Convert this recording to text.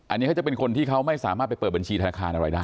อันนี้เขาจะเป็นคนที่เขาไม่สามารถไปเปิดบัญชีธนาคารอะไรได้